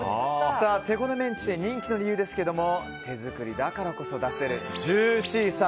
手ごねメンチの人気の理由ですが手作りだからこそ出せるジューシーさ。